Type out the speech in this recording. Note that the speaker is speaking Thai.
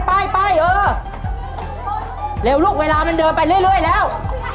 ไปไปเออเร็วลูกเวลามันเดินไปเรื่อยแล้ว